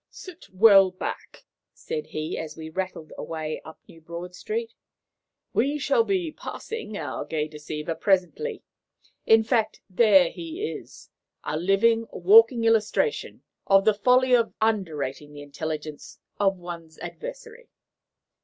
"Sit well back," said he, as we rattled away up New Broad Street. "We shall be passing our gay deceiver presently in fact, there he is, a living, walking illustration of the folly of underrating the intelligence of one's adversary."